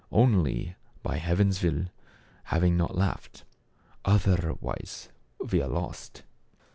Only, by Heaven's will — having not laughed ; otherwise we are lost."